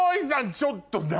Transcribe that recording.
ちょっと何？